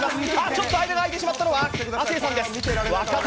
ちょっと間があいてしまったのは亜生さんです。